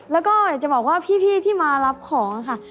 แล้วก็อยากจะบอกว่าพี่ที่มารับของค่ะ